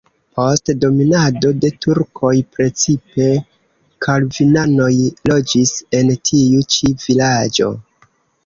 Post dominado de turkoj precipe kalvinanoj loĝis en tiu ĉi vilaĝo.